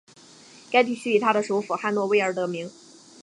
该地区以它的首府汉诺威而得名。